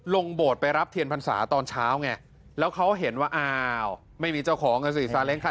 โบสถ์ไปรับเทียนพรรษาตอนเช้าไงแล้วเขาเห็นว่าอ้าวไม่มีเจ้าของอ่ะสิซาเล้งครับ